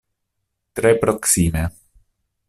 Tre proksime.